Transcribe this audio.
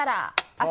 あっ。